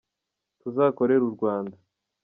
tuzakorere urwanda